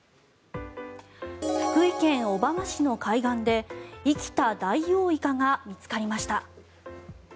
福井県小浜市の海岸で生きたダイオウイカが見つかりました。